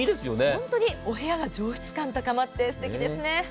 本当に、お部屋が上質感が高まって、いいですよね。